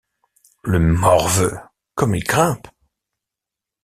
Le morveux, comme il grimpe !